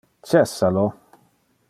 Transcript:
Cessa lo!